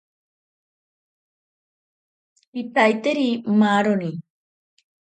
Kitaiteri maaroni.